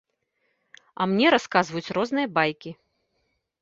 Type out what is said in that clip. А мне расказваюць розныя байкі.